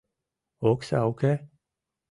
Окса уке?